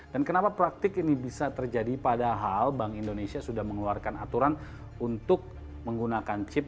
dan kenapa praktek ini bisa terjadi padahal bank indonesia sudah mengeluarkan aturan untuk menggunakan chip